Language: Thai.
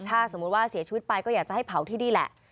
ถ้าสมมุติว่าเสียชีวิตไปก็อยากจะให้เผาที่นี่แหละ